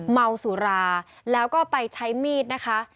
เมาสุราแล้วก็ไปใช้มีดนะคะ